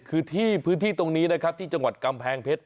คือที่พื้นที่ตรงนี้นะครับที่จังหวัดกำแพงเพชร